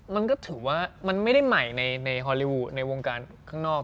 มันก็ถือว่ามันไม่ได้ใหม่ในฮอลลิวในวงการข้างนอก